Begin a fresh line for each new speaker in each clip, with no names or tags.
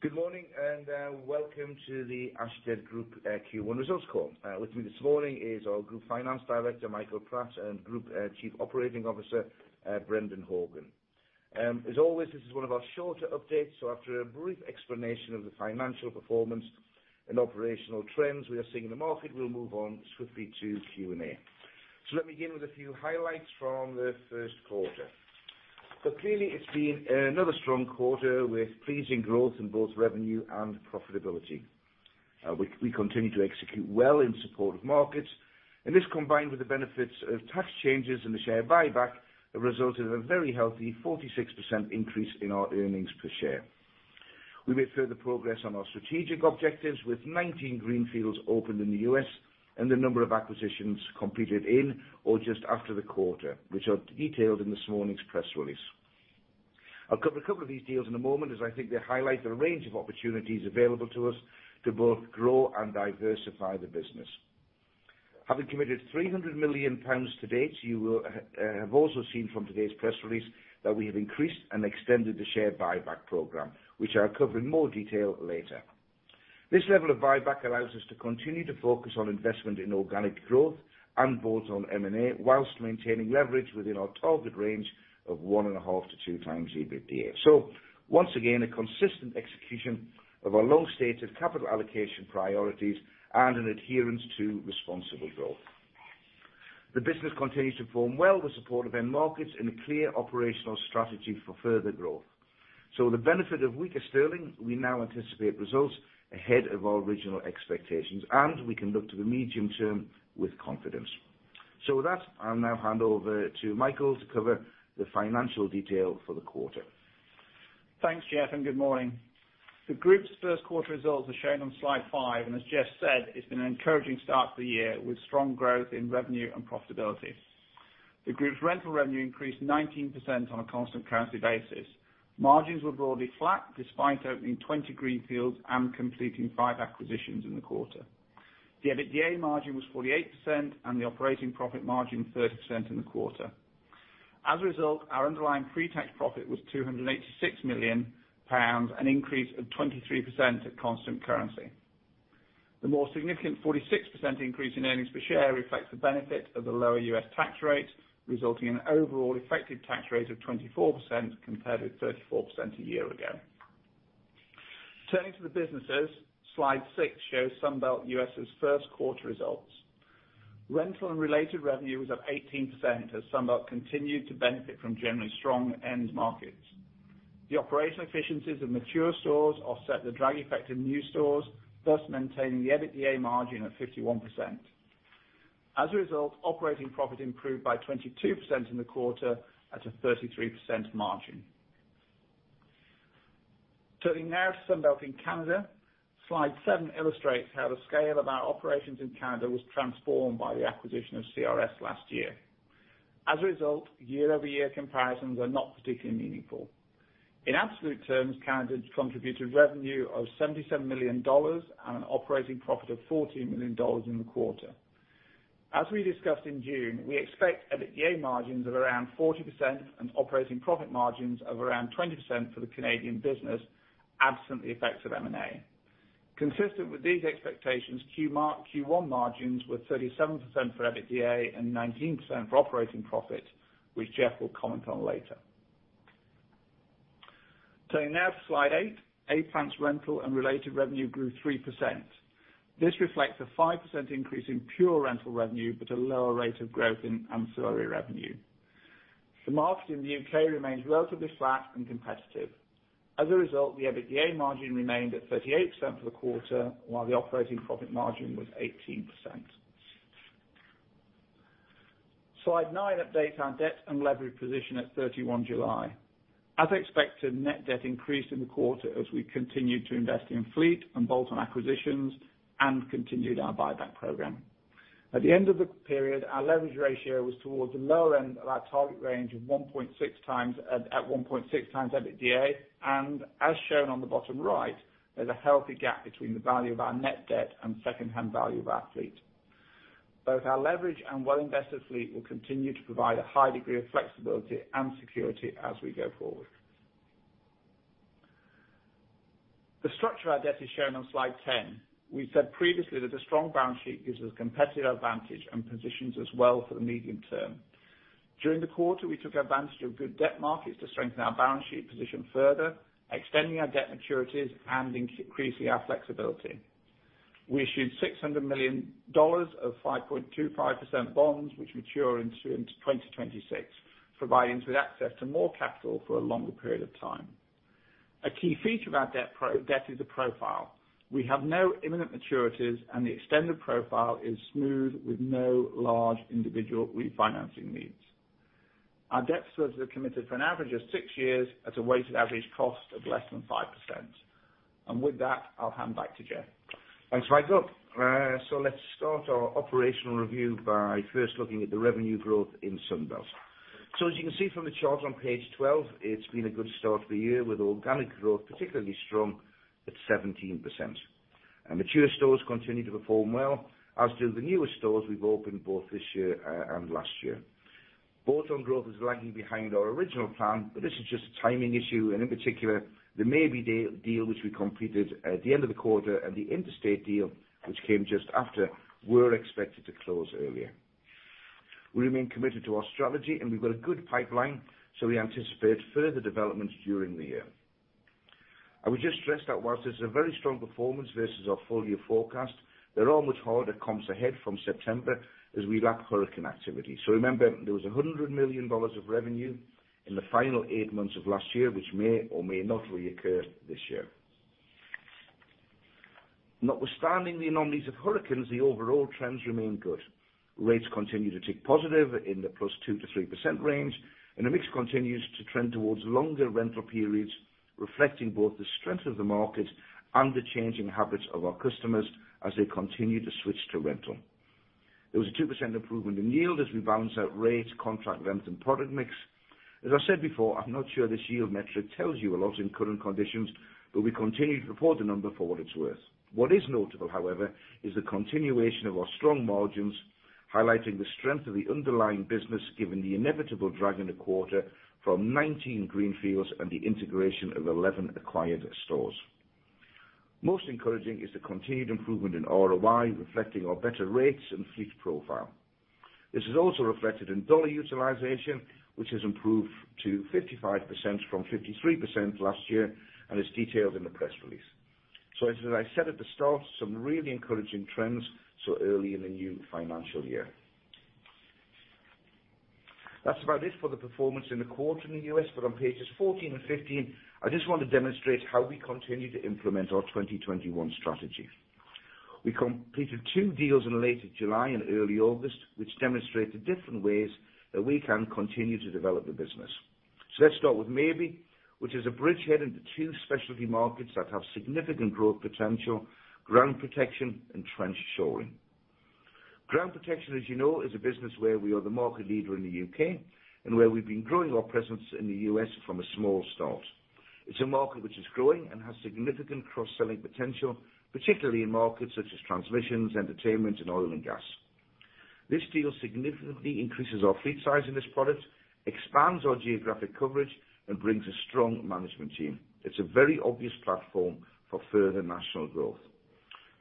Good morning, welcome to the Ashtead Group Q1 results call. With me this morning is our Group Finance Director, Michael Pratt, and Group Chief Operating Officer, Brendan Horgan. As always, this is one of our shorter updates, after a brief explanation of the financial performance and operational trends we are seeing in the market, we'll move on swiftly to Q&A. Let me begin with a few highlights from the first quarter. Clearly it's been another strong quarter with pleasing growth in both revenue and profitability. We continue to execute well in support of markets, and this, combined with the benefits of tax changes in the share buyback, have resulted in a very healthy 46% increase in our earnings per share. We made further progress on our strategic objectives with 19 greenfields opened in the U.S. and a number of acquisitions completed in or just after the quarter, which are detailed in this morning's press release. I'll cover a couple of these deals in a moment as I think they highlight the range of opportunities available to us to both grow and diversify the business. Having committed 300 million pounds to date, you will have also seen from today's press release that we have increased and extended the share buyback program, which I'll cover in more detail later. This level of buyback allows us to continue to focus on investment in organic growth and bolt-on M&A whilst maintaining leverage within our target range of 1.5 to 2 times EBITDA. Once again, a consistent execution of our long-stated capital allocation priorities and an adherence to responsible growth. The business continues to perform well with support of end markets and a clear operational strategy for further growth. With the benefit of weaker sterling, we now anticipate results ahead of our original expectations, and we can look to the medium term with confidence. With that, I'll now hand over to Michael to cover the financial detail for the quarter.
Thanks, Geoff, good morning. The group's first quarter results are shown on slide five, as Geoff said, it's been an encouraging start to the year with strong growth in revenue and profitability. The group's rental revenue increased 19% on a constant currency basis. Margins were broadly flat despite opening 20 greenfields and completing five acquisitions in the quarter. The EBITDA margin was 48% and the operating profit margin 30% in the quarter. As a result, our underlying pre-tax profit was 286 million pounds, an increase of 23% at constant currency. The more significant 46% increase in earnings per share reflects the benefit of the lower U.S. tax rate, resulting in an overall effective tax rate of 24% compared with 34% a year ago. Turning to the businesses, slide six shows Sunbelt U.S.'s first quarter results. Rental and related revenue was up 18% as Sunbelt continued to benefit from generally strong end markets. The operational efficiencies of mature stores offset the drag effect of new stores, thus maintaining the EBITDA margin at 51%. As a result, operating profit improved by 22% in the quarter at a 33% margin. Turning now to Sunbelt in Canada, slide seven illustrates how the scale of our operations in Canada was transformed by the acquisition of CRS last year. As a result, year-over-year comparisons are not particularly meaningful. In absolute terms, Canada contributed revenue of 77 million dollars and an operating profit of 14 million dollars in the quarter. As we discussed in June, we expect EBITDA margins of around 40% and operating profit margins of around 20% for the Canadian business absent the effects of M&A. Consistent with these expectations, Q1 margins were 37% for EBITDA and 19% for operating profit, which Geoff will comment on later. Turning now to slide eight, A-Plant rental and related revenue grew 3%. This reflects a 5% increase in pure rental revenue, but a lower rate of growth in ancillary revenue. The market in the U.K. remains relatively flat and competitive. As a result, the EBITDA margin remained at 38% for the quarter, while the operating profit margin was 18%. Slide nine updates our debt and leverage position at 31 July. As expected, net debt increased in the quarter as we continued to invest in fleet and bolt-on acquisitions and continued our buyback program. At the end of the period, our leverage ratio was towards the lower end of our target range at 1.6 times EBITDA, and as shown on the bottom right, there's a healthy gap between the value of our net debt and secondhand value of our fleet. Both our leverage and well-invested fleet will continue to provide a high degree of flexibility and security as we go forward. The structure of our debt is shown on slide 10. We said previously that a strong balance sheet gives us competitive advantage and positions us well for the medium term. During the quarter, we took advantage of good debt markets to strengthen our balance sheet position further, extending our debt maturities and increasing our flexibility. We issued $600 million of 5.25% bonds, which mature into 2026, providing us with access to more capital for a longer period of time. A key feature of our debt is the profile. We have no imminent maturities, and the extended profile is smooth with no large individual refinancing needs. Our debts are committed for an average of six years at a weighted average cost of less than 5%. With that, I'll hand back to Geoff.
Thanks, Michael. Let's start our operational review by first looking at the revenue growth in Sunbelt. As you can see from the chart on page 12, it's been a good start to the year with organic growth, particularly strong at 17%. Mature stores continue to perform well, as do the newer stores we've opened both this year and last year. Bolt-on growth is lagging behind our original plan, but this is just a timing issue, and in particular, the Mabey deal, which we completed at the end of the quarter, and the Interstate deal, which came just after, were expected to close earlier. We remain committed to our strategy, and we've got a good pipeline, so we anticipate further developments during the year. I would just stress that whilst this is a very strong performance versus our full-year forecast, the real hard comes ahead from September as we lap hurricane activity. Remember, there was GBP 100 million of revenue in the final eight months of last year, which may or may not reoccur this year. Notwithstanding the anomalies of hurricanes, the overall trends remain good. Rates continue to tick positive in the +2%-3% range, and the mix continues to trend towards longer rental periods, reflecting both the strength of the market and the changing habits of our customers as they continue to switch to rental. There was a 2% improvement in yield as we balance out rates, contract lengths, and product mix. As I said before, I'm not sure this yield metric tells you a lot in current conditions, but we continue to report the number for what it's worth. What is notable, however, is the continuation of our strong margins, highlighting the strength of the underlying business, given the inevitable drag in the quarter from 19 greenfields and the integration of 11 acquired stores. Most encouraging is the continued improvement in ROI, reflecting our better rates and fleet profile. This is also reflected in dollar utilization, which has improved to 55% from 53% last year and is detailed in the press release. As I said at the start, some really encouraging trends so early in the new financial year. That's about it for the performance in the quarter in the U.S., but on pages 14 and 15, I just want to demonstrate how we continue to implement our 2021 strategy. We completed two deals in late July and early August, which demonstrated different ways that we can continue to develop the business. Let's start with Mabey, which is a bridgehead into two specialty markets that have significant growth potential, ground protection and trench shoring. Ground protection, as you know, is a business where we are the market leader in the U.K. and where we've been growing our presence in the U.S. from a small start. It's a market which is growing and has significant cross-selling potential, particularly in markets such as transmissions, entertainment, and oil and gas. This deal significantly increases our fleet size in this product, expands our geographic coverage, and brings a strong management team. It's a very obvious platform for further national growth.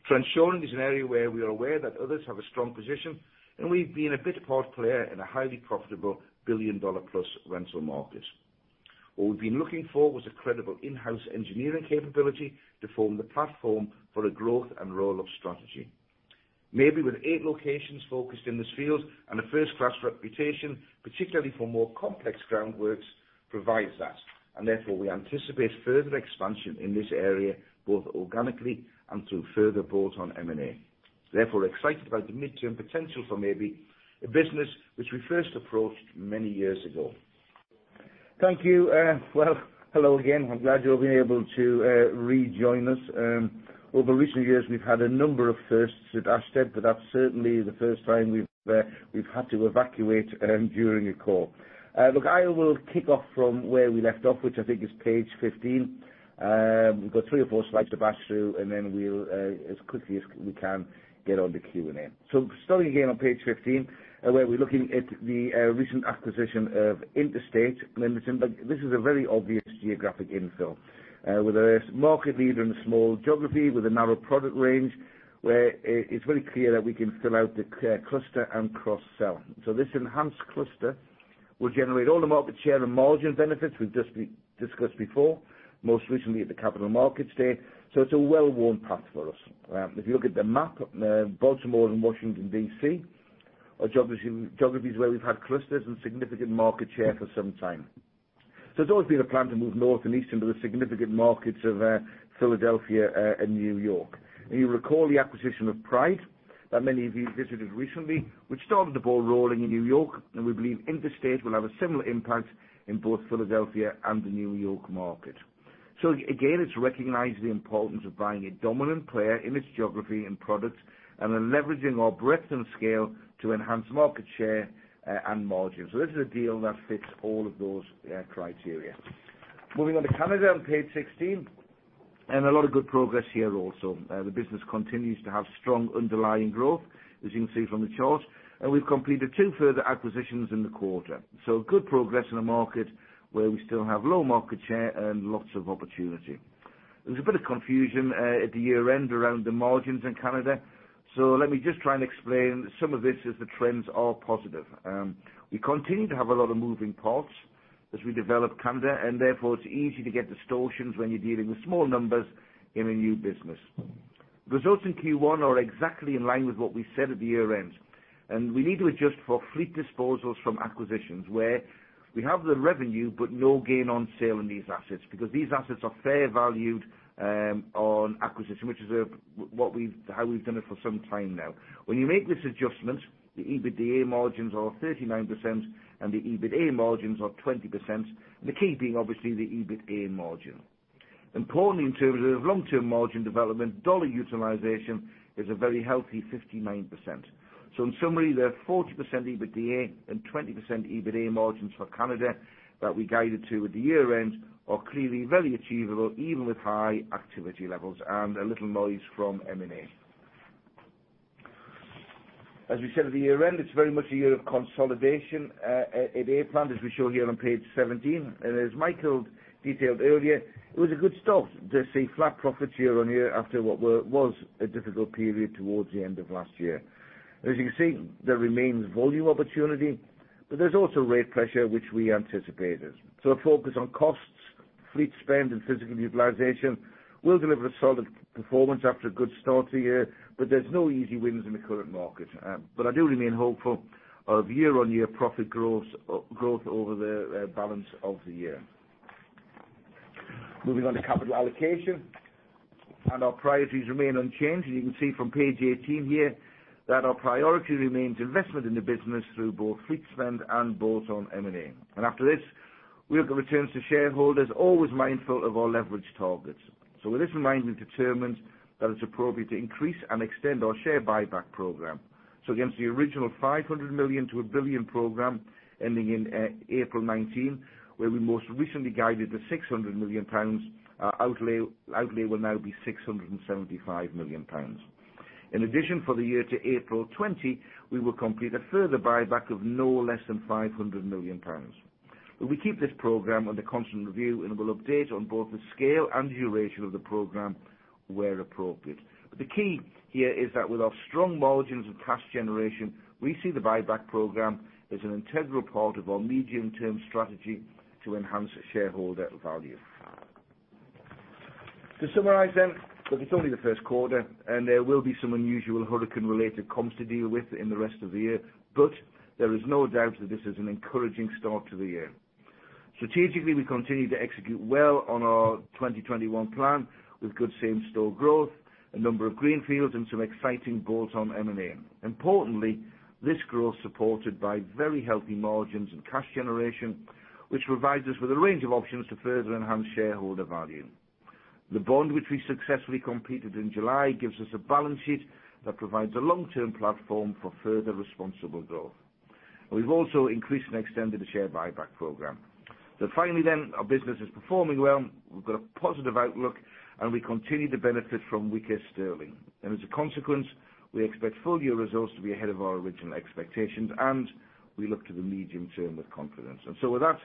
Trench shoring is an area where we are aware that others have a strong position, and we've been a bit player in a highly profitable billion-dollar-plus rental market. What we've been looking for was a credible in-house engineering capability to form the platform for a growth and roll-up strategy. Mabey, with eight locations focused in this field and a first-class reputation, particularly for more complex groundworks, provides that, and therefore we anticipate further expansion in this area, both organically and through further bolt-on M&A. Therefore, excited about the midterm potential for Mabey, a business which we first approached many years ago. Thank you. Well, hello again. I'm glad you'll be able to rejoin us. Over recent years, we've had a number of firsts at Ashtead, but that's certainly the first time we've had to evacuate during a call. I will kick off from where we left off, which I think is page 15. We've got three or four slides to bash through, and then we'll, as quickly as we can, get on the Q&A. Starting again on page 15, where we're looking at the recent acquisition of Interstate Aerials. This is a very obvious geographic infill with a market leader in a small geography with a narrow product range where it's very clear that we can fill out the cluster and cross-sell. This enhanced cluster will generate all the market share and margin benefits we've just discussed before, most recently at the Capital Markets Day. It's a well-worn path for us. If you look at the map, Baltimore and Washington, D.C., are geographies where we've had clusters and significant market share for some time. There's always been a plan to move north and east into the significant markets of Philadelphia and New York. You recall the acquisition of Pride that many of you visited recently, which started the ball rolling in New York, and we believe Interstate will have a similar impact in both Philadelphia and the New York market. Again, it's recognized the importance of buying a dominant player in its geography and products and then leveraging our breadth and scale to enhance market share and margins. This is a deal that fits all of those criteria. Moving on to Canada on page 16, and a lot of good progress here also. The business continues to have strong underlying growth, as you can see from the chart, and we've completed two further acquisitions in the quarter. Good progress in a market where we still have low market share and lots of opportunity. There was a bit of confusion at the year-end around the margins in Canada. Let me just try and explain some of this as the trends are positive. We continue to have a lot of moving parts as we develop Canada, and therefore it's easy to get distortions when you're dealing with small numbers in a new business. Results in Q1 are exactly in line with what we said at the year-end, and we need to adjust for fleet disposals from acquisitions where we have the revenue but no gain on sale in these assets because these assets are fair valued on acquisition, which is how we've done it for some time now. When you make this adjustment, the EBITDA margins are 39% and the EBITA margins are 20%, the key being obviously the EBITA margin. Importantly, in terms of long-term margin development, dollar utilization is a very healthy 59%. In summary, the 40% EBITDA and 20% EBITA margins for Canada that we guided to at the year-end are clearly very achievable, even with high activity levels and a little noise from M&A. As we said at the year-end, it's very much a year of consolidation at A-Plant, as we show here on page 17. As Michael detailed earlier, it was a good start to see flat profits year-on-year after what was a difficult period towards the end of last year. As you can see, there remains volume opportunity, but there's also rate pressure, which we anticipated. A focus on costs, fleet spend, and physical utilization will deliver a solid performance after a good start to the year, but there's no easy wins in the current market. I do remain hopeful of year-on-year profit growth over the balance of the year. Moving on to capital allocation, Our priorities remain unchanged. As you can see from page 18 here, that our priority remains investment in the business through both fleet spend and bolt-on M&A. After this, we look at returns to shareholders, always mindful of our leverage targets. With this in mind, we've determined that it's appropriate to increase and extend our share buyback program. Against the original 500 million to 1 billion program ending in April 2019, where we most recently guided the £600 million, our outlay will now be £675 million. In addition, for the year to April 2020, we will complete a further buyback of no less than £500 million. We keep this program under constant review, and we'll update on both the scale and duration of the program where appropriate. The key here is that with our strong margins and cash generation, we see the buyback program as an integral part of our medium-term strategy to enhance shareholder value. To summarize, look, it's only the first quarter, There will be some unusual hurricane-related comps to deal with in the rest of the year. There is no doubt that this is an encouraging start to the year. Strategically, we continue to execute well on our 2021 plan with good same-store growth, a number of greenfields, and some exciting bolt-on M&A. Importantly, this growth is supported by very healthy margins and cash generation, which provides us with a range of options to further enhance shareholder value. The bond which we successfully completed in July gives us a balance sheet that provides a long-term platform for further responsible growth. We've also increased and extended the share buyback program. Finally, our business is performing well. We've got a positive outlook, We continue to benefit from weaker sterling. As a consequence, we expect full-year results to be ahead of our original expectations, We look to the medium term with confidence. With that,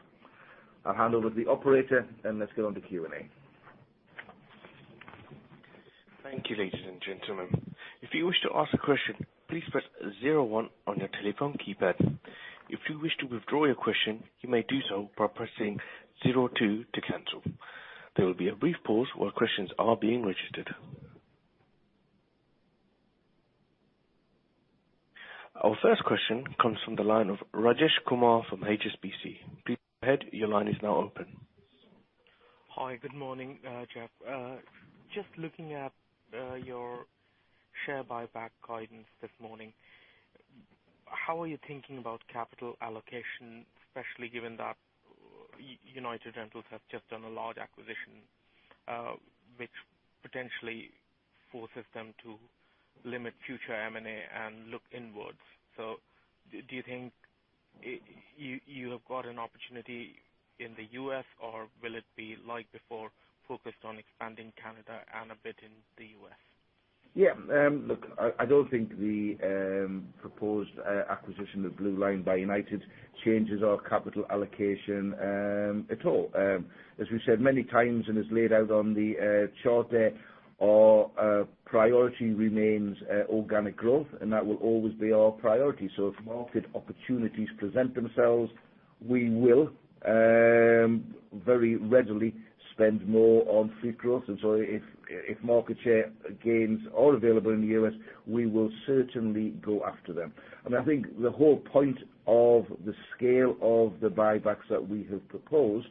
I'll hand over to the operator, Let's get on to Q&A.
Thank you, ladies and gentlemen. If you wish to ask a question, please press 01 on your telephone keypad. If you wish to withdraw your question, you may do so by pressing 02 to cancel. There will be a brief pause while questions are being registered. Our first question comes from the line of Rajesh Kumar from HSBC. Please go ahead. Your line is now open.
Looking at your share buyback guidance this morning. How are you thinking about capital allocation, especially given that United Rentals have just done a large acquisition, which potentially forces them to limit future M&A and look inwards? Do you think you have got an opportunity in the U.S. or will it be like before, focused on expanding Canada and a bit in the U.S.?
Yeah. Look, I don't think the proposed acquisition of BlueLine by United changes our capital allocation at all. As we've said many times and is laid out on the charter, our priority remains organic growth, and that will always be our priority. If market opportunities present themselves, we will very readily spend more on fleet growth. If market share gains are available in the U.S., we will certainly go after them. I think the whole point of the scale of the buybacks that we have proposed,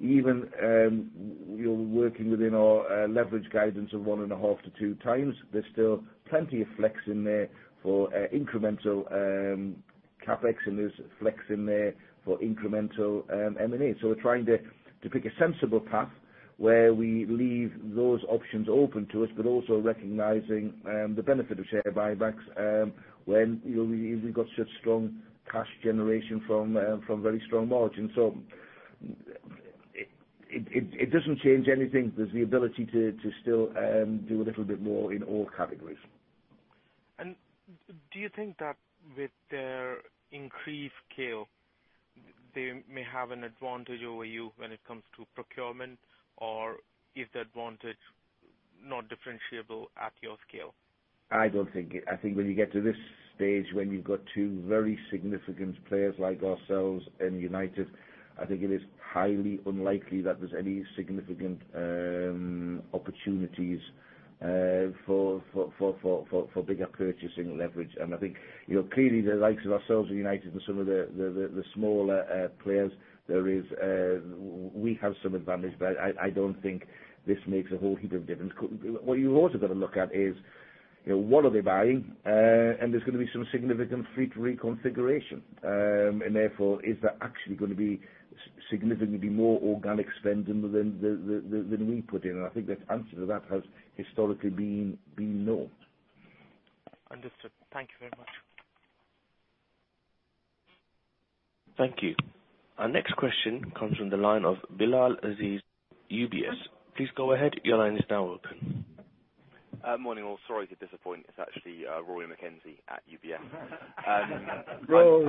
even working within our leverage guidance of 1.5 to 2 times, there's still plenty of flex in there for incremental CapEx, and there's flex in there for incremental M&A. We're trying to pick a sensible path where we leave those options open to us, but also recognizing the benefit of share buybacks when we've got such strong cash generation from very strong margins. It doesn't change anything. There's the ability to still do a little bit more in all categories.
Do you think that with their increased scale, they may have an advantage over you when it comes to procurement, or is the advantage not differentiable at your scale?
I think when you get to this stage, when you've got two very significant players like ourselves and United Rentals, I think it is highly unlikely that there's any significant opportunities for bigger purchasing leverage. I think clearly the likes of ourselves and United Rentals and some of the smaller players, we have some advantage, but I don't think this makes a whole heap of difference. What you've also got to look at is what are they buying? There's going to be some significant fleet reconfiguration. Therefore, is there actually going to be significantly more organic spend than we put in? I think the answer to that has historically been no.
Understood. Thank you very much.
Thank you. Our next question comes from the line of Rory McKenzie, UBS. Please go ahead. Your line is now open.
Morning, all. Sorry to disappoint. It's actually Rory McKenzie at UBS.
Rory.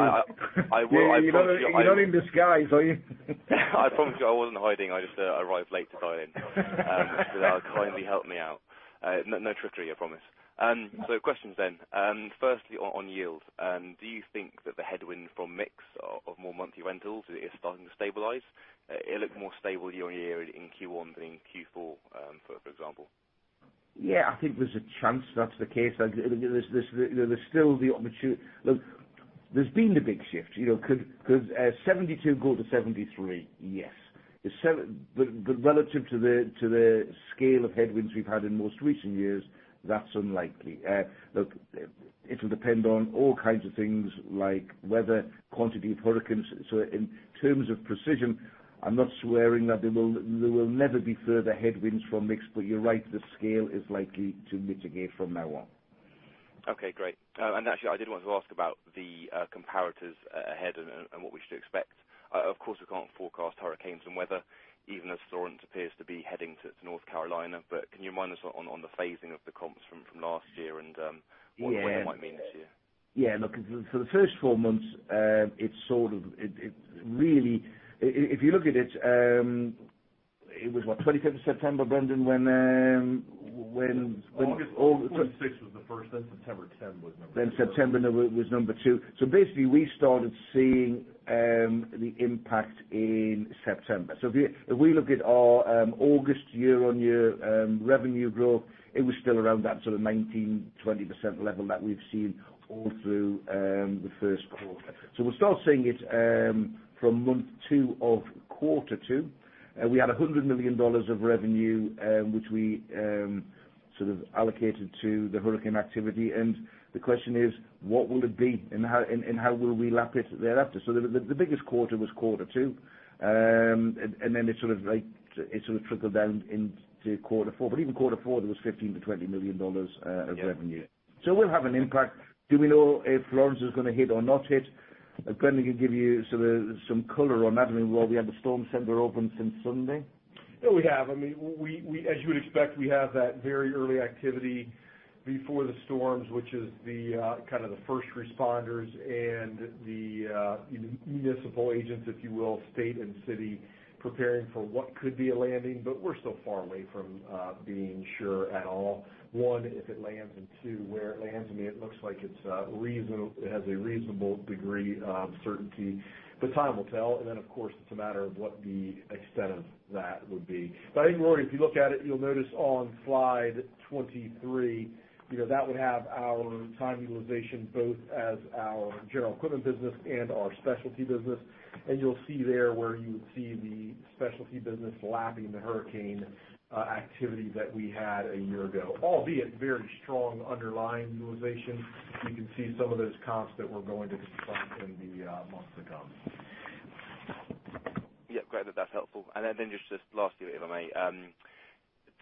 I will-
You're not in disguise, are you?
I promise you I wasn't hiding. I just arrived late to dial in. Kindly help me out. No trickery, I promise. Questions then. Firstly, on yields. Do you think that the headwind from mix of more monthly rentals is starting to stabilize? It looked more stable year-on-year in Q1 than in Q4, for example.
I think there's a chance that's the case. There's still the opportunity. Look, there's been a big shift. Could 72 go to 73? Yes. Relative to the scale of headwinds we've had in most recent years, that's unlikely. Look, it'll depend on all kinds of things like weather, quantity of hurricanes. In terms of precision, I'm not swearing that there will never be further headwinds from mix, but you're right, the scale is likely to mitigate from now on.
Okay, great. Actually, I did want to ask about the comparatives ahead and what we should expect. Of course, we can't forecast hurricanes and weather, even as Florence appears to be heading to North Carolina. Can you mind us on the phasing of the comps from last year?
Yeah
What it might mean this year?
Look, for the first four months, if you look at it was what? 25th of September, Brendan?
August 26th was the first, then September 10 was number two.
September was number two. Basically, we started seeing the impact in September. If we look at our August year-over-year revenue growth, it was still around that sort of 19%, 20% level that we've seen all through the first quarter. We'll start seeing it from month two of quarter two. We had $100 million of revenue, which we allocated to the hurricane activity. The question is, what will it be and how will we lap it thereafter? The biggest quarter was quarter two. It sort of trickled down into quarter four. Even quarter four, there was $15 million-$20 million of revenue. We'll have an impact. Do we know if Florence is going to hit or not hit? Brendan can give you some color on that. I mean, well, we had the storm center open since Sunday.
Yeah, we have. As you would expect, we have that very early activity before the storms, which is the first responders and the municipal agents, if you will, state and city preparing for what could be a landing. We're still far away from being sure at all, one, if it lands, and two, where it lands. I mean, it looks like it has a reasonable degree of certainty. Time will tell. Of course, it's a matter of what the extent of that would be. I think, Rory, if you look at it, you'll notice on slide 23, that would have our time utilization both as our general equipment business and our specialty business. You'll see there where you would see the specialty business lapping the hurricane activity that we had a year ago, albeit very strong underlying utilization. You can see some of those comps that we're going to confront in the months to come.
Great. That's helpful. Just last year, if I may.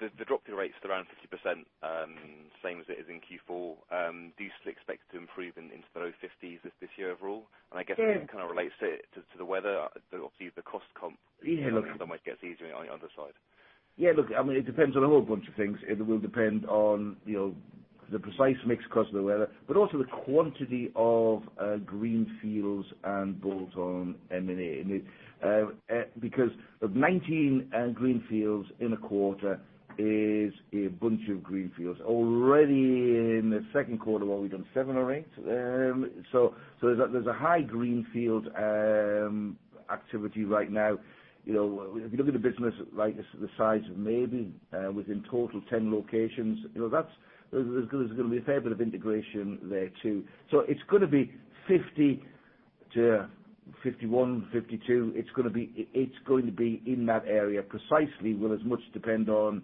The drop-through rate's around 50%, same as it is in Q4. Do you still expect to improve into the low 50s this year overall? I guess it kind of relates to the weather, obviously the cost comp-
Look.
might get easier on the other side.
Look, it depends on a whole bunch of things. It will depend on the precise mix because of the weather, but also the quantity of greenfields and bolt-on M&A. 19 greenfields in a quarter is a bunch of greenfields. Already in the second quarter, what have we done? Seven or eight? There's a high greenfield activity right now. If you look at the business, the size of Mabey within total 10 locations. There's going to be a fair bit of integration there too. It's going to be 50 to 51, 52. It's going to be in that area. Precisely will as much depend on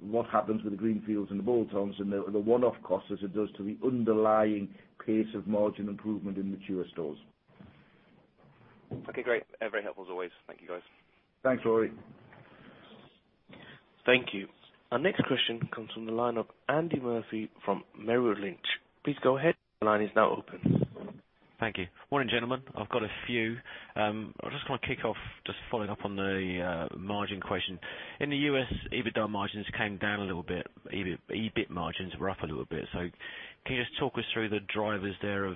what happens with the greenfields and the bolt-ons and the one-off costs as it does to the underlying pace of margin improvement in mature stores.
Okay, great. Very helpful as always. Thank you, guys.
Thanks, Rory.
Thank you. Our next question comes from the line of Andy Murphy from Merrill Lynch. Please go ahead. Your line is now open.
Thank you. Morning, gentlemen. I've got a few. I just want to kick off, just following up on the margin question. In the U.S., EBITDA margins came down a little bit. EBIT margins were up a little bit. Can you just talk us through the drivers there of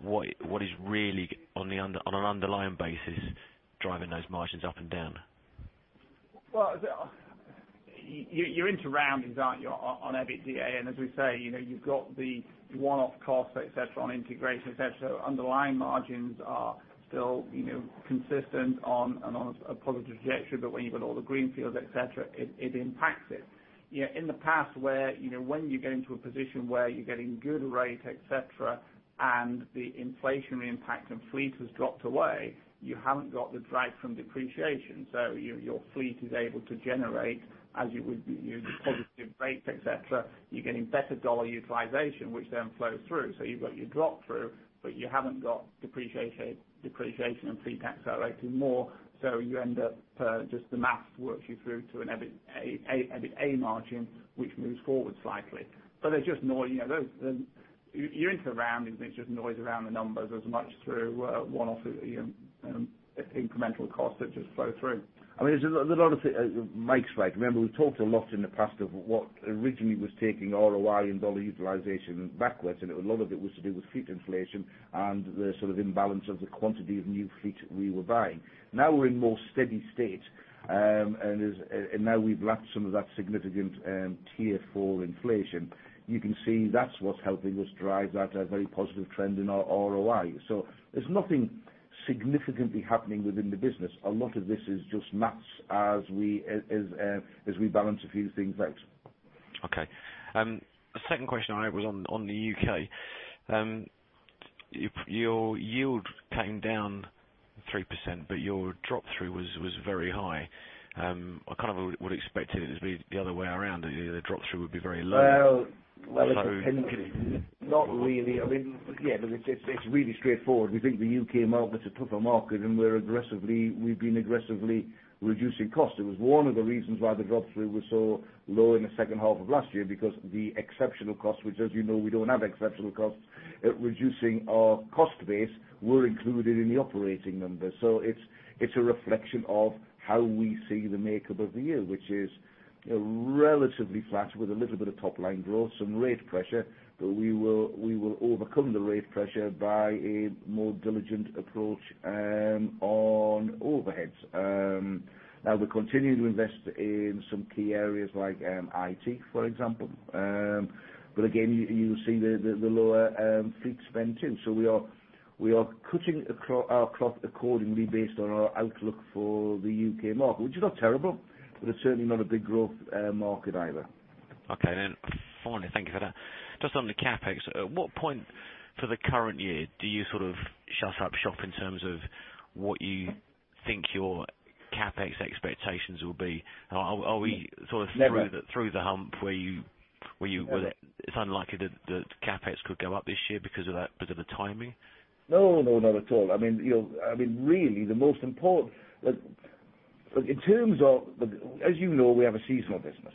what is really, on an underlying basis, driving those margins up and down?
Well, you're into roundings, aren't you, on EBITDA? As we say, you've got the one-off costs, et cetera, on integration, et cetera. Underlying margins are still consistent and on a positive trajectory. When you've got all the greenfields, et cetera, it impacts it. In the past where when you get into a position where you're getting good rate, et cetera, and the inflationary impact and fleet has dropped away, you haven't got the drag from depreciation. Your fleet is able to generate as you would positive rates, et cetera. You're getting better dollar utilization, which then flows through. You've got your drop-through, but you haven't got depreciation and fleet accelerating more. You end up, just the math works you through to an EBITA margin, which moves forward slightly. There's just more
You're into rounding, it's just noise around the numbers as much through one-off incremental costs that just flow through.
There's a lot of it. Mike's right. Remember, we've talked a lot in the past of what originally was taking ROI and dollar utilization backwards, and a lot of it was to do with fleet inflation and the sort of imbalance of the quantity of new fleet we were buying. Now we're in more steady state, and now we've lapped some of that significant Tier 4 inflation. You can see that's what's helping us drive that very positive trend in our ROI. There's nothing significantly happening within the business. A lot of this is just math as we balance a few things out.
Okay. Second question I have was on the U.K. Your yield came down 3%, but your drop-through was very high. I kind of would expect it as being the other way around, the drop-through would be very low.
Well, not really. It's really straightforward. We think the U.K. market is a tougher market, we've been aggressively reducing costs. It was one of the reasons why the drop-through was so low in the second half of last year because the exceptional costs, which, as you know, we don't have exceptional costs, reducing our cost base, were included in the operating numbers. It's a reflection of how we see the makeup of the year, which is relatively flat with a little bit of top-line growth, some rate pressure, we will overcome the rate pressure by a more diligent approach on overheads. We continue to invest in some key areas like IT, for example. Again, you'll see the lower fleet spend too. We are cutting our cloth accordingly based on our outlook for the U.K. market. Which is not terrible, but it's certainly not a big growth market either.
Okay. Finally, thank you for that. Just on the CapEx, at what point for the current year do you sort of shut up shop in terms of what you think your CapEx expectations will be? Are we sort of-
Never
through the hump, where you-
Never
It's unlikely that the CapEx could go up this year because of the timing?
No, not at all. As you know, we have a seasonal business.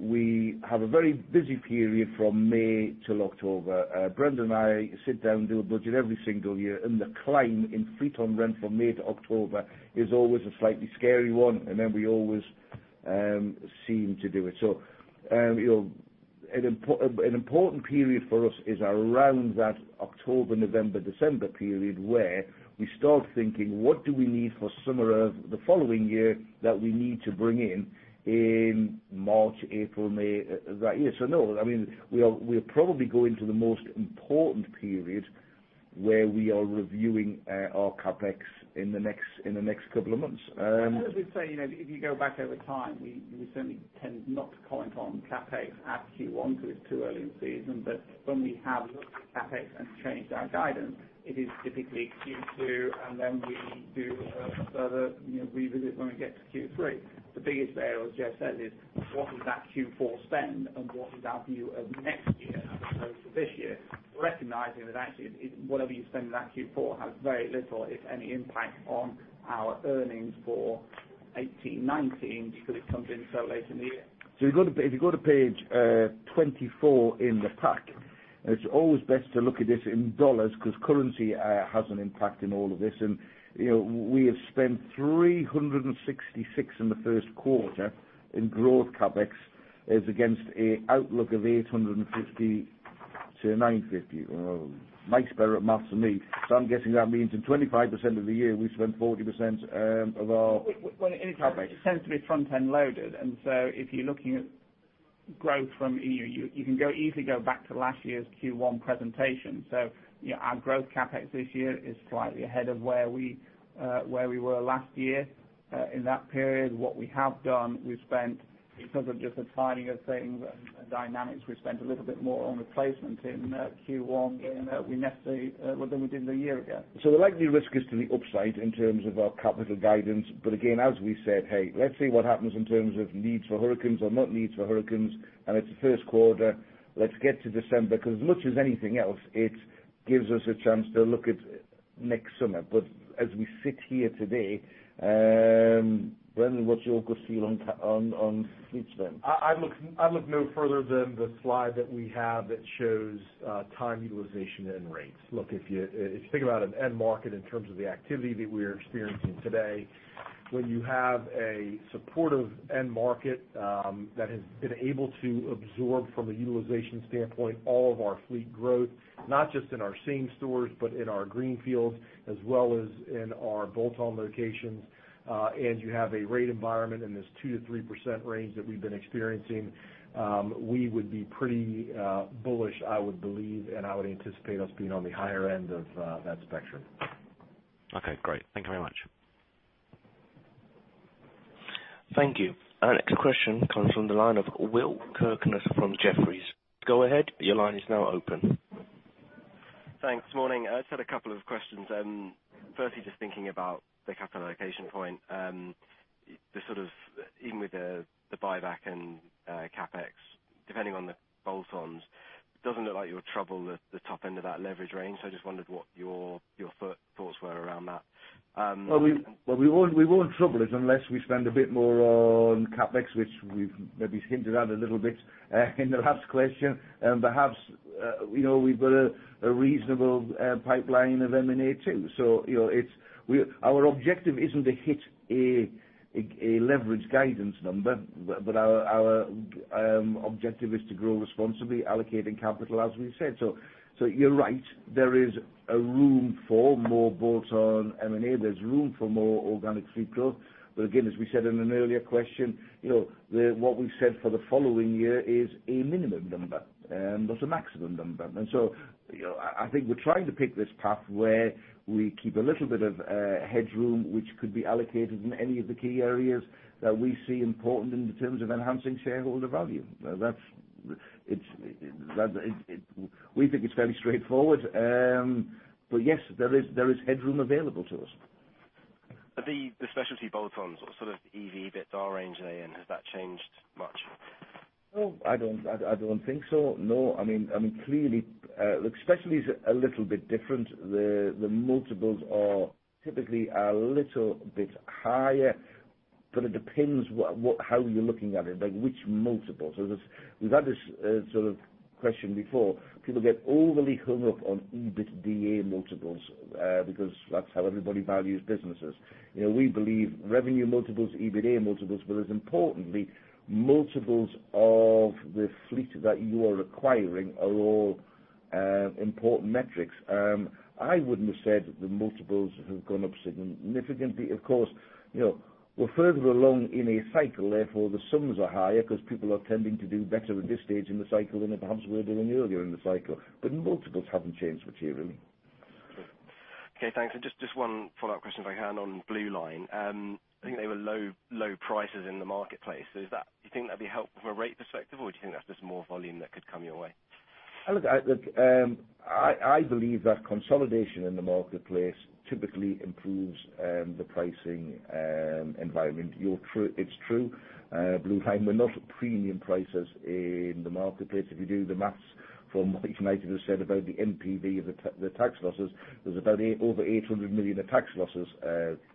We have a very busy period from May till October. Brendan and I sit down and do a budget every single year, the climb in fleet on rent from May to October is always a slightly scary one, we always seem to do it. An important period for us is around that October, November, December period where we start thinking, what do we need for summer of the following year that we need to bring in in March, April, May that year? No, we're probably going to the most important period where we are reviewing our CapEx in the next couple of months.
As we say, if you go back over time, we certainly tend not to comment on CapEx at Q1 because it's too early in season. When we have looked at CapEx and changed our guidance, it is typically Q2, we do a further revisit when we get to Q3. The biggest variable, as Geoff said, is what is that Q4 spend and what is our view of next year as opposed to this year? Recognizing that actually, whatever you spend in that Q4 has very little, if any, impact on our earnings for 18/19 because it comes in so late in the year.
If you go to page 24 in the pack, it's always best to look at this in dollars because currency has an impact in all of this. We have spent 366 in the first quarter in growth CapEx, as against an outlook of 850-950. Mike's better at math than me. I'm guessing that means in 25% of the year, we spent 40% of our CapEx.
Well, it tends to be front-end loaded. You can easily go back to last year's Q1 presentation. Our growth CapEx this year is slightly ahead of where we were last year. In that period, what we have done, we've spent because of just the timing of things and dynamics, a little bit more on replacement in Q1 than we did a year ago.
The likely risk is to the upside in terms of our capital guidance. Again, as we said, hey, let's see what happens in terms of needs for hurricanes or not needs for hurricanes. It's the first quarter, let's get to December, because as much as anything else, it gives us a chance to look at next summer. As we sit here today, Brendan, what's your good feel on fleet spend?
I look no further than the slide that we have that shows time utilization and rates. Look, if you think about an end market in terms of the activity that we're experiencing today, when you have a supportive end market that has been able to absorb from a utilization standpoint all of our fleet growth, not just in our same stores, but in our greenfields as well as in our bolt-on locations, and you have a rate environment in this 2%-3% range that we've been experiencing, we would be pretty bullish, I would believe, and I would anticipate us being on the higher end of that spectrum.
Okay, great. Thank you very much.
Thank you. Our next question comes from the line of Will Kirkness from Jefferies. Go ahead, your line is now open.
Thanks. Morning. I just had a couple of questions. Firstly, just thinking about the capital allocation point. Even with the buyback and CapEx, depending on the bolt-ons. Doesn't look like you would trouble the top end of that leverage range. I just wondered what your thoughts were around that.
Well, we won't trouble it unless we spend a bit more on CapEx, which we've maybe hinted at a little bit in the last question. Perhaps, we've got a reasonable pipeline of M&A, too. Our objective isn't to hit a leverage guidance number, but our objective is to grow responsibly, allocating capital, as we said. You're right, there is a room for more bolt-on M&A. There's room for more organic fleet growth. Again, as we said in an earlier question, what we've said for the following year is a minimum number. There's a maximum number. I think we're trying to pick this path where we keep a little bit of headroom, which could be allocated in any of the key areas that we see important in terms of enhancing shareholder value. We think it's fairly straightforward. Yes, there is headroom available to us.
The specialty bolt-ons, what sort of EV/EBITDA [are range A in]? Has that changed much?
No, I don't think so, no. Clearly, specialty is a little bit different. The multiples are typically a little bit higher, but it depends how you're looking at it, like which multiples. We've had this sort of question before. People get overly hung up on EBITDA multiples, because that's how everybody values businesses. We believe revenue multiples, EBITDA multiples, but as importantly, multiples of the fleet that you are acquiring are all important metrics. I wouldn't have said the multiples have gone up significantly. We're further along in a cycle, therefore, the sums are higher because people are tending to do better at this stage in the cycle than they perhaps were doing earlier in the cycle. Multiples haven't changed materially.
Okay, thanks. Just one follow-up question if I can on BlueLine. I think they were low prices in the marketplace. Do you think that'd be helpful from a rate perspective, or do you think that's just more volume that could come your way?
Look, I believe that consolidation in the marketplace typically improves the pricing environment. It's true, BlueLine were not at premium prices in the marketplace. If you do the maths from what United has said about the NPV of the tax losses, there's about over 800 million of tax losses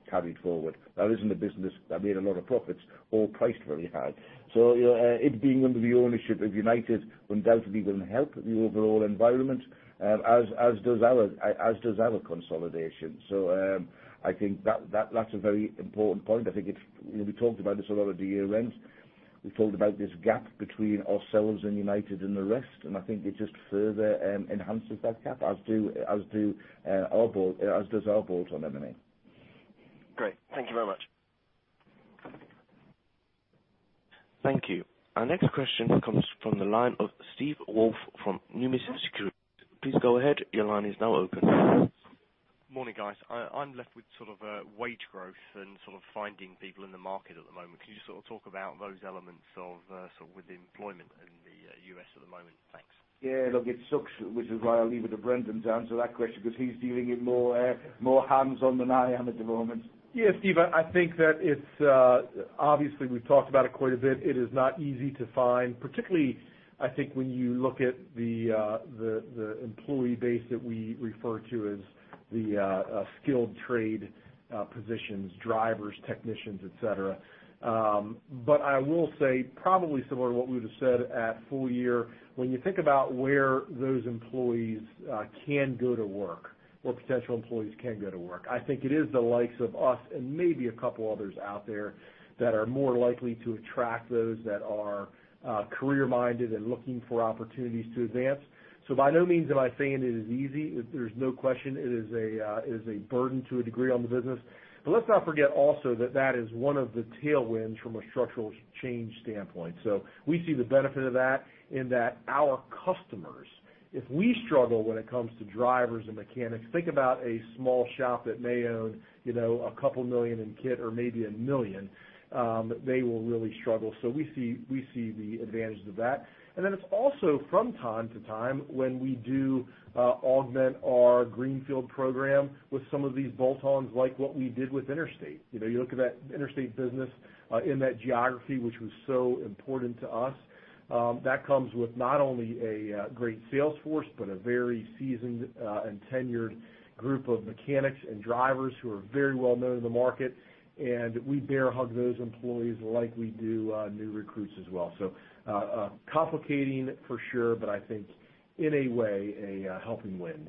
carried forward. That isn't a business that made a lot of profits or priced very high. It being under the ownership of United undoubtedly will help the overall environment, as does our consolidation. I think that's a very important point. We talked about this a lot at the year-end. We talked about this gap between ourselves and United and the rest, and I think it just further enhances that gap, as does our bolt-on M&A.
Great. Thank you very much.
Thank you. Our next question comes from the line of Steve Woolf from Numis Securities. Please go ahead. Your line is now open.
Morning, guys. I'm left with sort of wage growth and finding people in the market at the moment. Can you just talk about those elements with employment in the U.S. at the moment? Thanks.
Look, it sucks, which is why I'll leave it to Brendan to answer that question, because he's dealing in more hands-on than I am at the moment.
Steve, I think that obviously we've talked about it quite a bit. It is not easy to find, particularly, I think when you look at the employee base that we refer to as the skilled trade positions, drivers, technicians, et cetera. I will say, probably similar to what we would have said at full year, when you think about where those employees can go to work or potential employees can go to work, I think it is the likes of us and maybe a couple others out there that are more likely to attract those that are career-minded and looking for opportunities to advance. By no means am I saying it is easy. There's no question it is a burden to a degree on the business. Let's not forget also that that is one of the tailwinds from a structural change standpoint. We see the benefit of that in that our customers, if we struggle when it comes to drivers and mechanics, think about a small shop that may own a couple million in kit or maybe 1 million. They will really struggle. We see the advantages of that. It is also from time to time when we do augment our greenfield program with some of these bolt-ons, like what we did with Interstate. You look at that Interstate business in that geography, which was so important to us. That comes with not only a great sales force, but a very seasoned and tenured group of mechanics and drivers who are very well-known in the market, and we bear-hug those employees like we do new recruits as well. Complicating for sure, but I think in a way, a helping wind.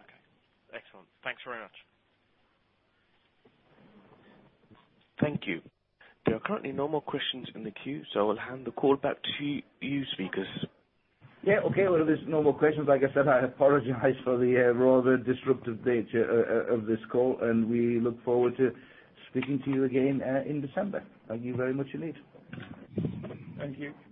Okay. Excellent. Thanks very much.
Thank you. There are currently no more questions in the queue, I'll hand the call back to you speakers.
Okay. If there's no more questions, like I said, I apologize for the rather disruptive nature of this call, we look forward to speaking to you again in December. Thank you very much indeed.
Thank you.